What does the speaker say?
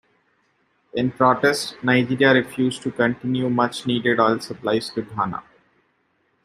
In protest, Nigeria refused to continue much-needed oil supplies to Ghana.